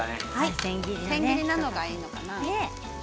千切りなのがいいのかな。